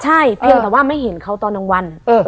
ใช่เพียงแต่ว่าไม่เห็นเขาตอนกลางวัน